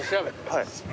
はい。